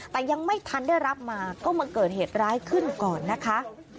แต่ยังไม่ทันได้รับมาก็มาเกิดเหตุร้ายขึ้นก่อนนะคะ